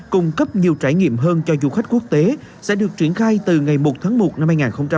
cung cấp nhiều trải nghiệm hơn cho du khách quốc tế sẽ được triển khai từ ngày một tháng một năm hai nghìn hai mươi